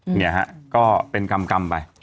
เนี่ยฮะก็เป็นกรรมไป